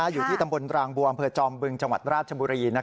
อยู่ที่ตำบลรางบัวอำเภอจอมบึงจังหวัดราชบุรี